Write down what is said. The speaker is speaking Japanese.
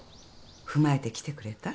踏まえてきてくれた？